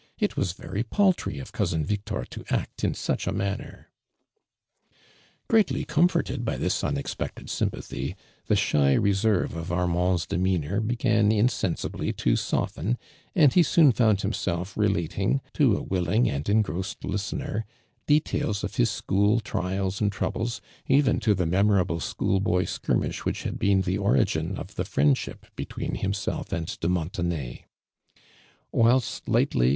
•' it was very paltry of cousin Victor to act in such a manner !"' Greatly comfortetl by tiiis unexpected sympathy, the shy resoive of Armand's de meanor began insensibly to soften, and he soon found himself relating, to a willing ani engrossed listener, details of his sclionl trials and troubles, even to the memorabh school boy skirmish which had boon the ori gin of th(» friond ^liip botw. cn himself and de Montenay. Wiiil t liglitly.